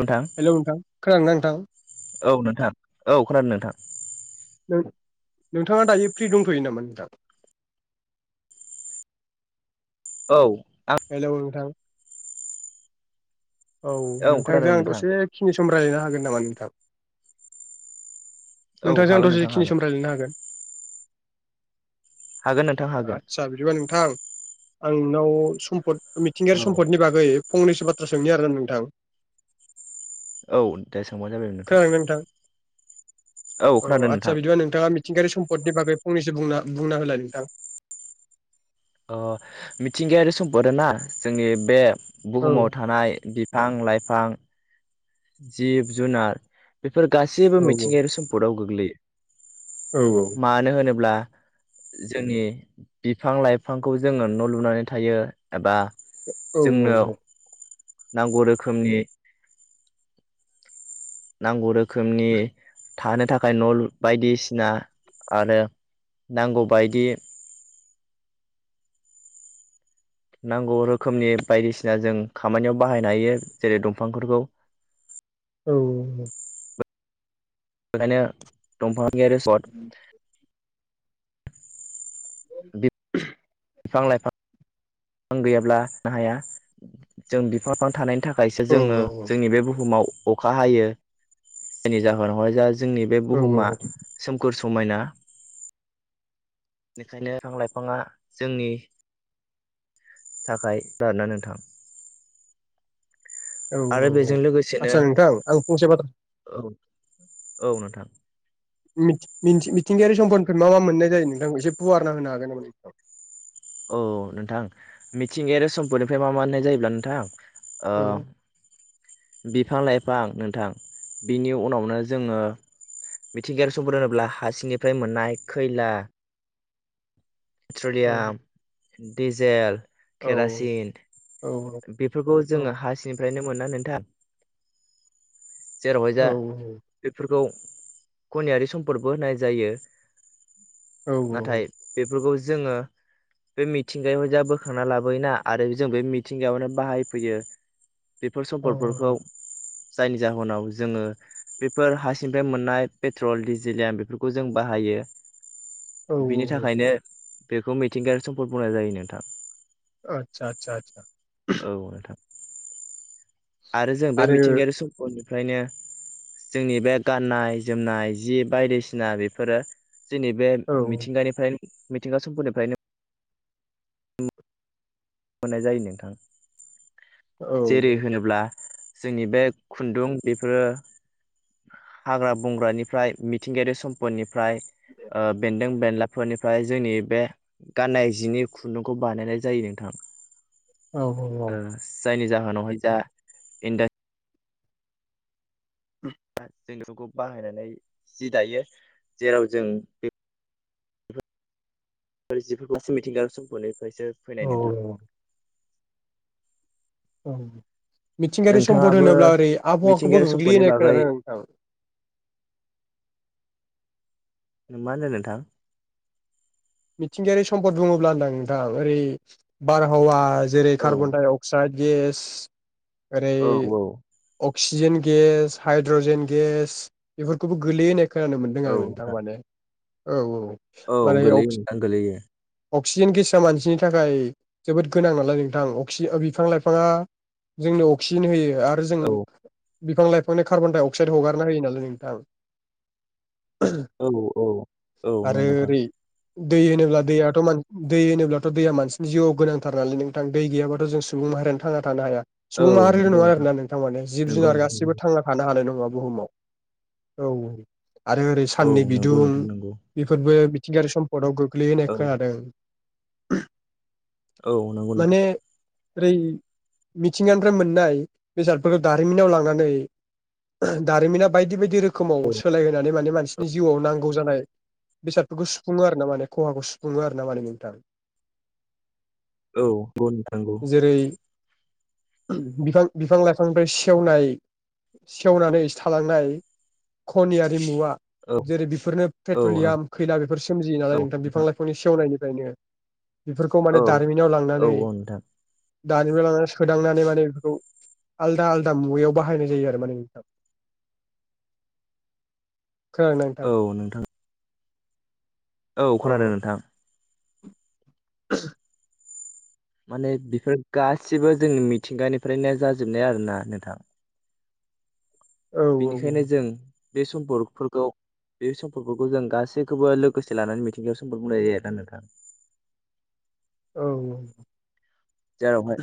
नोंथां हेलौ नोंथां खोनादोंना नोंथां औ नोंथां औ खोनादों नोंथां नोंथाङा दायो फ्रि दंथयो नामा नोंथा [inaudible] औ हेलौ नोंथां औ नोंथांजों खोनादों आं नोंथां दसे खिनि सम रायलायनो हागोन नामा नोंथां औ नोंथांजों आं हागोन नोंथां दसेखिनि हागोन सम लायलायनो हागोन हागोन नोंथां हागोन आत्सा बिदिबा नोंथां आं नोंनाव सम्पद मिथिंगायारि औ सम्पदनि बागै फंनैसो बाथ्रा सोंनि आरोना नोंथां औ दे सोंबानो जाबाय नोंथां औ खोनादों नोंथां आदसा बिदिबा नोंथाङा मिथि सिथिंगायारि सम्दनि बागै फंनैसो बुंना बुंना होलाय नोंथां अ मिथिंगायारि सम्पद आरो ना जोंनि बे औ बुहुमाव थानाय बिफां लाइफां जिब जुनार बेफोर गासैबो औ मिथिंगायारि सम्पदआव औ गोग्लैयो मानो होनोब्ला जोंनि बिफां लाइफांखौ जोङो न लुनानै थायो एबा औ जोंनो औ औ नांगौ रोखोमनि नांगौ रोखोमनि थानो थाखाय न लु बायदिसिना आरो नांगौ बायदि नांगौ रोखोमनि बायदिसिना जों खामानियाव बाहायनो हायो जेरै दंफांफोरखौ [inaudible] औ बेखायनो‌ दंफांनि आरो सर्ट [inaudible] फां गैयाब्ला हाया जों बिफां लाइफां थानायनि थाखाय थाखायसो औ जोङो जोंनि बे बुहुमाव अखा हायो जेनि जाहोनावाय जा जोंनि बे बुहुमा औ सोमखोर समायना बेनिखायनो बिफां लाइफाङा जोंनि थाखाय जादोना नोंथां औ आरो बेजों औ लोगोसेनो आदसा नोंथां आं फंसे बाथ्रा औ औ नोंथां मिथिं मिथिं मिथिंगायारि सम्पदफोर मा मा मोननाय जायो नोंथांखौ एसे फुवारना होनो हागोन नामा नोंथां औ नोंथां मिथिंगायारि सम्पनिफ्राय मा मा मोननाय जायो होमब्ला नोंथां औ ओ बिफां लाइफां नोंथां बिनि उनावनो जोङो मिथिंगायारि सम्पद होनोब्ला हासिंनिफ्राय मोननाय खैला औ पेट्रलियाम डिजेल औ केरासिन औ बेफोरखौ औ जोङो हासिंनिफ्रायनो मोनोना नोंथां जेरावहाय औ जा बेफोरखौ खनियारि सम्पदबो होनाय जायो औ नाथाय बेफोरखौ जोङो बे मिथिंगायाव जा बोखांना लाबोयोना आरो जों बे मिथिंगायावनो बाहायफैयो बेफोर औ सम्पदफोरखौ जायनि जाहोनाव जोङो बेफोर हासिंनिफ्राय मोननाय पेट्रल डिजेलय बेफोरखौ जों बाहायो बिनि औ थाखायनो बेखौ मिथिंगायारि सम्पद बुंनाय जायो नोंथां आसा आसा आसा औ नोंथां आरो जों बे मिथिंगायारि सम्पदनि फ्रायनो जोंनि बे गाननाय जोमनाय जि बायदिसिना बेफोरो जोंनि बे औ मिथिंगानिफ्राय मिथिंगा सम्पदनिफ्रायनो मोननाय जायो नोंथां औ जेरै औ होनोब्ला जोंनि बे खुन्दुं बेफोरो हाग्रा बंग्रानिफ्राय मिथिंगायारि सम्पदनिफ्राय फ्राय ओ बेन्दों बेनलाफोरनिफ्राय जोंनि बे गाननाय जिनि खुन्दुंखौ बानायनाय जायो नोंथां औ औ औ ओ जायनि जाहोनावहाय दा इनडा जों बेखौ बाहायनानै सि दायो जेराव जों बे जिफोरखौसो मिथिंगा सम्पदफोरनिफ्रायसो फैनाय नोंथां औ औ मिथिंगायारि सम्पद नोंथाङाबो होनोब्ला ओरै आबहावाखौबो मिथिंगायारि गोग्लैयो सम्पदनि होननाय बागै खोनादों नोंथां [inaudible] मा होन्दों नोंथां मिथिंगायारि सम्द बुङोब्ला होनदां नोंथां ओरै बारहावा जेरै औ कार्बन डाइ अक्साइड गेस ओरै औ अक क्सिजेन गेस हाइद्रजेन गेस बेफोरखौबो गोलैयोहोननाय खोनानो मोनदों आं नोंथां माने औ औ औ माने गोलैयो नोंथां गोलैयो अक्सिजेन गेसा मानसिनि थाखाय जोबोद गोनां नालाय नोंथां अक्सिजेनखौ बिफां लाइफाङा जोंनो अक्सिजेन होयो आरो जों औ बिफां लाइफांनि कार्बन दडाइ अक्साइद हगारना होयो नालाय नोंथां औ औ औ नंगौ आरो नोंथां ओरै दै होनोब्ला दैयाथ' दै होनोब्लाथ' दैया मानसिनि जिउआव गोनांथार नालाय नोंथां दै गैयाब्लााथ' जों सुबुं माहारियानो थांना थानो हाया औ सुबुं नंगौ माहारिल'नङा आरो ना नोंथां मानि जिब जुनार नंगौ गासिबो थांना थानो हानाय नङा बुहुमाव औ औ आरो ओरै औ साननि नंगौ बिदुं नोंथां नंगौ बेफोरबो मिथिंगायारि सम्फदआव गोग्लैयो औ होनाय खोनादों औ नंगौ नोंथां माने ओरै मिथिंगानिफ्राय मोननाय बेसादफोरखौ दारिमिनाव लांनानै दारिमिना बायदि बायदि रोखोम रोखोमाव औ सोलायहोनानै माने मानसिनि जिउआव नांगौ जानाय बेसादफोरखौ सुफुङो आरो ना माने खहाखौ सुफुङो आरो ना माने नोंथां औ बेनंगौ नंथारगौ जेरै [inaudible] बिफां बिफां लाइफांनिफ्राय सेवनाय सेवनानै थालांनाय खनियारिमुवा औ जेरै बेफोरनो औ पेट्रलियाम खैला बेफोर सोमजियो नालाय नोंथां बिफां लाइफांनि सेवनाय निफ्रायनो बेफोरखौ माने औ दारिमिनाव औ लांनानै औ नोंथां दारिमिनाव लानानै सोदांनानै माने बेफोरखौ आलदा आलदा मुवायाव बाहायनाय जायो आरो माने नोंथां [inaudible] नोंथां? औ नोंथां औ खोनादों नोंथां [unintelligible] माने बेफोर गासिबो जोंनि मिथिंगानिफ्रायनो जाजोबनाय आरोना नोंथां औ बेनिखायनो औ जों बे सम्पकफोरखौ बे सम्पफोरखौ जों गासैखौबो लोगोसे लानानै मिथिंगायारि सम्पद बुंनाय जायो आरोना नोंथां औ जेरावहाय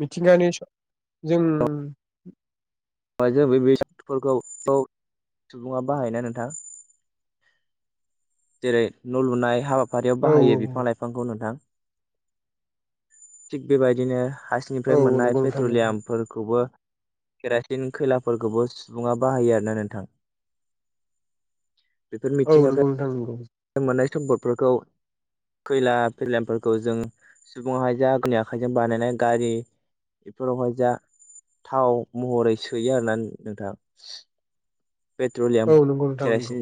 औ थिंगानि जों जों बे बेफोरखौ [unintelligible] सुबुङा बाहायना नोंथां जेरै न लुनाय हाबा बेफारियाव औ बाहायो बिफां लाइफांखौ नोंथां थिग बेबायदिनो औ हासिनिफ्राय मोननाय नंगौ नोंथां नंगौ पेट्रलियामफोरखौबो दिन खैलाफोरखौबो सुबुंङा बाहायो आरोना नोंथां बेफोर औ नंगौ मिथिंगानिफ्राय नोंथां नंगौ मोननाय सम्पदफोरखौ खैला फैलमफोरखौ जों सुबुं हाय जा आगुनि आखाइजों बानायनाय गारि बेफोरावहाय जा थाव महरै सोयो आरो ना नोंथाङा पेट्रलियाम औ नंगौ नोंथां नंगौ केरासिन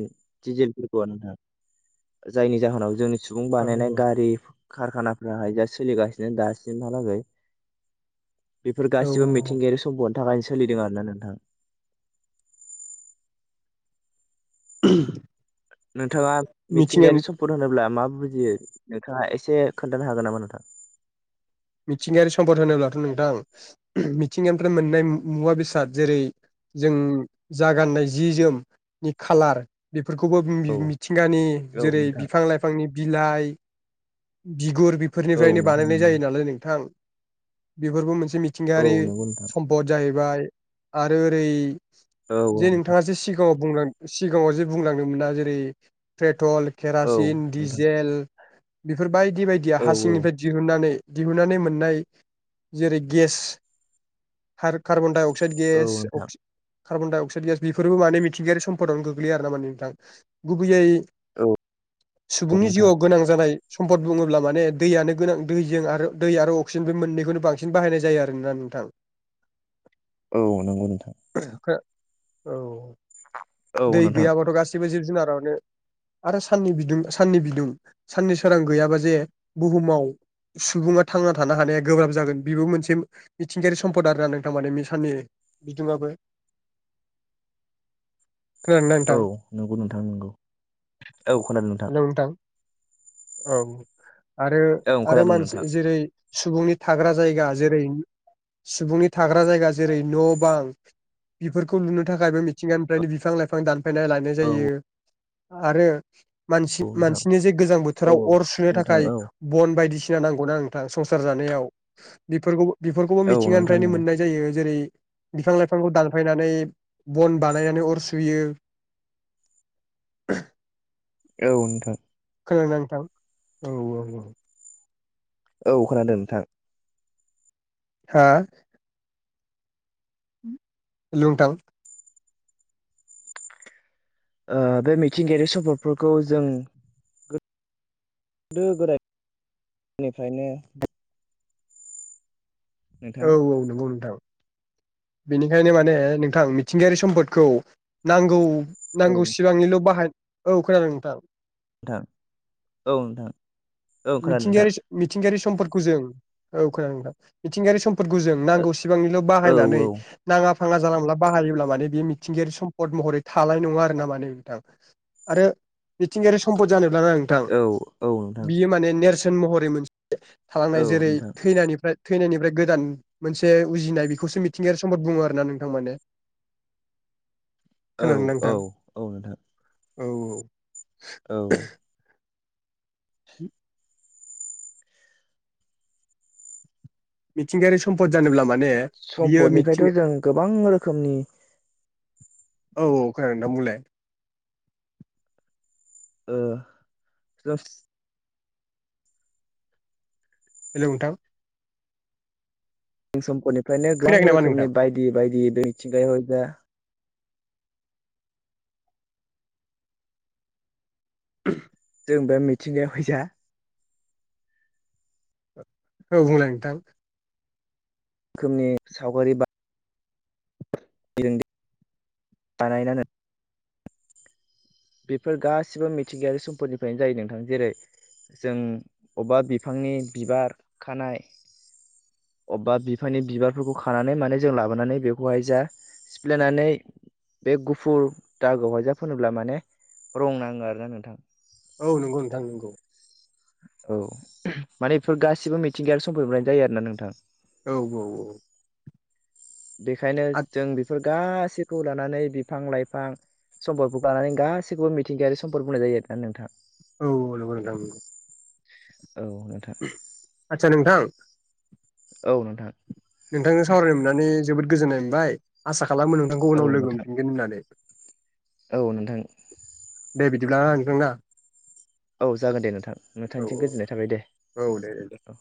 डिजेलफोरखौ नोंथाङा जायनि जाहोनाव जोंनि सुबुं औ बानायनाय गारि कारखानाफ्राहाय जा सोलिगासिनो दासिमहालागै बेफोर औ गासिबो मिथिंगायारि सम्पनि थाखायनो सोलिदों आरोना नोंथाङा [unintelligible] नोंथाङा मिथिंगा मिथिंगायारि सम्पद होनोब्ला मा बुजियो नोंथाङा एसे खोन्थानो हागोन नामा नोंथां मिथिंगायारि सम्पद होनोब्लाथ' नोंथां मिथिंगानिफ्राय मोननाय मुवा बेसाद जेरै जों जागाननाय जि जोमनि खालार बे फोरफोरखौबो औ मिथिंगानि औ जेरै नोंथां बिफां लाइफांनि बिलाइ बिगुर औ बेफोरनिफ्रायनो नोंथां बानायनाय नंगौ जायो नालाय नोंथां बेफोरबो मोनसे मोनसे औ मिथिंगायारि नंगौ नोंथां सम्पद जाहैबाय आरो ओरै औ औ जे नोंथां नोंथाङा जे सिगाङावां सिगांङाव जे बुंलांदोंमोना जेरैे पेट्रल औ केरासिन नोंथां डिजेल बेफोर बायदि बायदिया औ हासिंनिफ्राय दिहुनन्नानै दिहुननानै मोननाय जेरै गेस कार्बनडाइ अक्स अक्साइड औ गेस अ नोंथां कार्बन डाइ अक्साइड गेयास बेफोरबो माने मिथिंगायारि सम्पदावनो गोग्लैयो आरो ना मे नोंथां गुबैयै औ सुबुंनि नोंथां जिउआव गोनां जानाय सम्पद बुंङोब्ला माने दैयानो गोनां दैजों आरो दै आरो अक्सिजेन बे मोननैखौनो बांसिन बाहायनाय जायो आरोना नोंथां औ नंगौ नोंथां औ औ दै नोंथां गैयाबाथ' गाससिबो जिब जुनारनो आरो साननि बिदुं साननि बिदुं साननि सोरां गैयाबा जे बुहुमाव सुबुंङाथ थांना थानो हानाया गोब्राब जागोन बेबो मोनसे मिथिंगायारि सम्पद आरोना नों थारमाने मिसाननि बिदुङआबो [unintelligible] नोंथां औ नंगौ नोंथां नंगौ औ खोनादों नोंथां औ आरो औ आरो खोनादों मानसि नोंथां जेरै सुबुंनि थाग्रा जायगा जेरै सुबुंनि थाग्रा जायगा जेरै न' बां बेफोरखौ लुनो थाखायबो मिथिंगानिफ्रायनो बिफां लाइफां दानफायनाय लानाय औ जायो आरो मानसि औ नोंथां मानसिनो जे गोजां बोथोराव औ अर सुनो नोंथां थाखाय औ बन बायदिसिना नांगौना ना संसार जानायाव बेफोरखौ बेफोरखौबो औ नोंथां मिथिंगानिफ्रायनो नंगौ मोननाय जायो जेरै बिफां लाइफांखौ दानफायनानै बन बानायनानै अर सुयो [unintelligible] औ नोंथां खोलोंनां नोंथां औ औ औ औ खोनादों नोंथां हा हेलौ नोंथां ओ बे मिथिंगायारि स्पदफोरखौ जों गोदो गोदायनिफ्रायनो नोंथां औ औ नंगौ नोंथां बेनिखायनो माने नोंथां मिथिंगायारि सम्पदखौ नांगौ औ नांगौ सिबांनिल' बाहाय औ खोनादों नोंथां नोंथां औ नोंथां औ खोनादों नोंथां मिथिगायारि मिथिंगायारि समफोरखौ जों औ खोनथां मिथिंगायारि समफोरखौ जों नांगौ सिबांनिल' औ बाहायनानै नाङा फाङा जालांब्ला बाहायोब्ला माने बे मिथिंगायारि सम्पद महरै थानाय नङा आरो ना माने बिथां आरो मिथिंगायारि सम्पद जानोब्ल ना नोंथां औ औ नोंथां बियो माने नेरसोन सोन महरै मोनसे औ थालांनाय जेरै नोंथां थैनायनिफ्राय थैनायनिफ्राय गोदान मोनसे उजिनाय बेखौसो मिथि मि थिंगायारि सम्पद बुङो आरो ना नोंथां माने औ खोनादोंना औ नोंथां औ नोंथां औ औ औ मिथिंगायारि सम्फद जानोब्ला माने बियो मिथिं सम्पदनिफ्रायथ' जों गोबां रोखोमनि औ औ खोनादों नोंथां बुंलाय ओ जात्स हेल' नोंथां जों सम्पदनिफ्रायनो खोनायाखै गोबां नामा नोंथां रोखोमनि बायदि बायदि बे मिथिंगायाव जा जों बे मिथिंगायाव फैसा औ बुंलाय नोंथां रोखोमनि सावगारि बा बानायना बेफोर गासिबो मिथिंगायारि सम्पदफोरनिफ्रायनो जायो नोंथां जेरै जों अबेबा बिफांनि बिबार खानाय अबेबा बिफांनि बिबारफोरखौ खानानै माने जों लाबोनानै बेखौहाय जा सिफ्लेनानै बे गुफुर दागोआवहाय जा फोनोब्ला माने रं नाङो आरो ना नोंथां औ नंगौ नोंथां नंगौ औ माने बेफोर गासिबो मिथिंगायारि सम्पदनिफ्रायनो जायो आरो ना नोंथां औ औ औ बेखायनो जों बेफोर गासैखौ लानानै बिफां लाइफां सम्पदफोरखौ गानानै सासैबो मिथिंगायारि सम्पद बुंनाय जायो आरो नोंथां औ नोंगौ नोंथां नोंगौ औ नोंथां आदसा नोंथां औ नोंथां नोंथांजों सावरायनो मोननानै जोबोद गोजोननाय मोनबाय आसा खालामो नोंथांखौ औ उनाव लोगो नोंथां मोनफिनगोन होननानै औ नोंथां दे बिदिब्ला नोंथां ना औ जागोन दे नोंथां औ नोंथांनिथिं गोजोननाय थाबाय दे औ औ दे दे औ